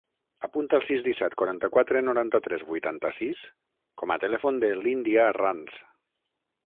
Apunta el sis, disset, quaranta-quatre, noranta-tres, vuitanta-sis com a telèfon de l'Índia Ranz.